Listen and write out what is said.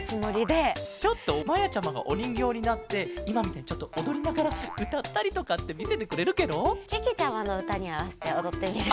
ちょっとまやちゃまがおにんぎょうになっていまみたいにちょっとおどりながらうたったりとかってみせてくれるケロ？けけちゃまのうたにあわせておどってみる？